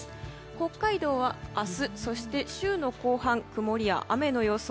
北海道は明日、そして週の後半曇りや雨の予想。